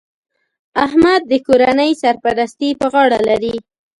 احمد د کورنۍ سرپرستي په غاړه لري